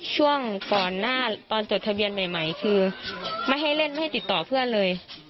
ช่วงก่อนหน้าตอนจดทะเบียนใหม่คือไม่ให้เล่นไม่ให้ติดต่อเพื่อนเลย